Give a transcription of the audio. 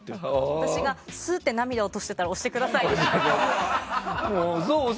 私が、すっと涙を落としてたら押してくださいね。